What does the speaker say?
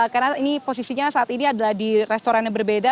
karena ini posisinya saat ini adalah di restoran yang berbeda